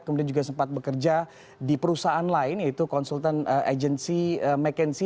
kemudian juga sempat bekerja di perusahaan lain yaitu konsultan agency mckenzia